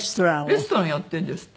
レストランやってるんですって。